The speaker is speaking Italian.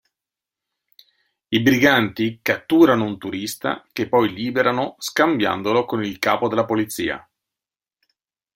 I briganti catturano un turista che poi liberano scambiandolo con il capo della polizia.